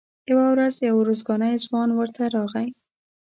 یوه ورځ یو ارزګانی ځوان ورته راغی.